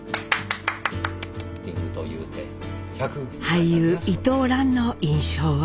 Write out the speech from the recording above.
俳優伊藤蘭の印象は？